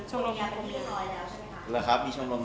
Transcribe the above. เหรอครับมีชมรมนั้นเลยครับ